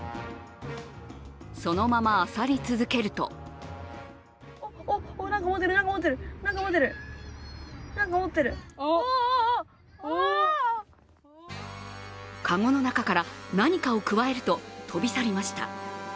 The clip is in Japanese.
そのままあさり続けると籠の中から何かをくわえると飛び去りました。